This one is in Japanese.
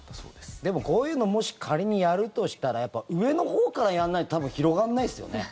でも、こういうのをもし仮にやるとしたらやっぱり上のほうからやんないと多分、広がらないですよね。